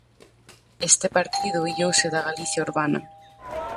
Este partido illouse da Galicia urbana.